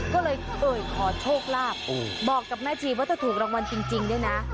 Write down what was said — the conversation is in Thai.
ก็เลยเอ่ยขอโชคลาภบอกกับแม่ชีว่าถ้าถูกรางวัลจริงด้วยนะ